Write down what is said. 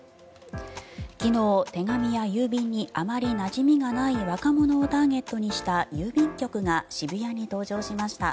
昨日、手紙や郵便にあまりなじみのない若者をターゲットにした郵便局が渋谷に登場しました。